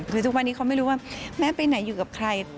คือทุกวันนี้เขาไม่รู้ว่าแม่ไปไหนอยู่กับใคร